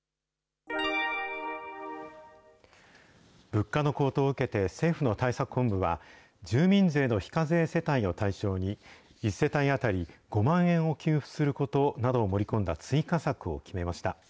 物価の高騰を受けて政府の対策本部は、住民税の非課税世帯を対象に、１世帯当たり５万円を給付することなどを盛り込んだ追加策を決めました。